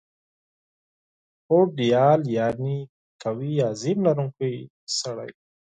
هوډیال یعني قوي عظم لرونکی شخص